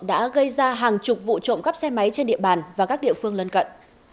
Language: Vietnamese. đã gây ra hàng chục vụ trộm cắp xe máy trên địa bàn và các địa phương lân cận